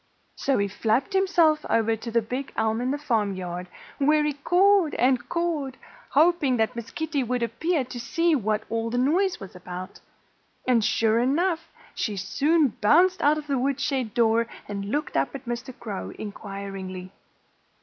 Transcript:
So he flapped himself over to the big elm in the farmyard, where he cawed and cawed, hoping that Miss Kitty Cat would appear to see what all the noise was about. And sure enough! she soon bounced out of the woodshed door and looked up at Mr. Crow inquiringly.